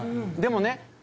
でもね